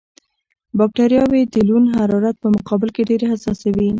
بکټریاوې د لوند حرارت په مقابل کې ډېرې حساسې وي.